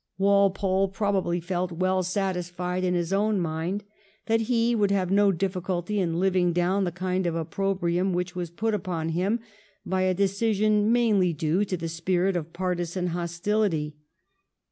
Walpole probably felt well satisfied in his own mind that he could have no difficulty in living down the kind of opprobrium which was put upon him by a decision mainly due to the spirit of partisan hostility.